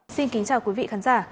xin kính chào quý vị khán giả